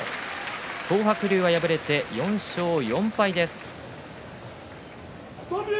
東白龍は敗れて４勝４敗です。